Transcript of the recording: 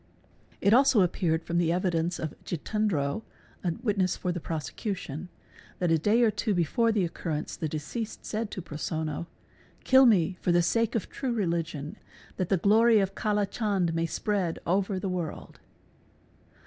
It also appeared from the evidence of J itendro, a witness for the prosecution, that a day or two fore the occurrence the deceased said to Prosonno, " Kill me for the sake it true religion that the glory of Kala Chand may spread over the world."